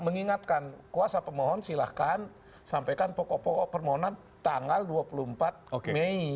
mengingatkan kuasa pemohon silahkan sampaikan pokok pokok permohonan tanggal dua puluh empat mei